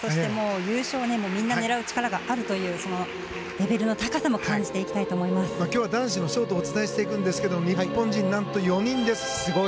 優勝へみんな狙う力があるというレベルの高さも今日は男子のショートをお伝えしていくんですが日本人４人です。